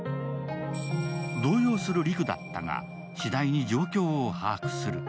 動揺する陸だったが、次第に状況を把握する。